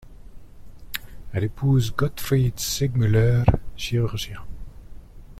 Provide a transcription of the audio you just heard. Elle épouse Gottfried Segmüller, chirurgien.